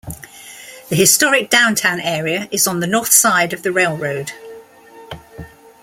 The historic downtown area is on the north side of the railroad.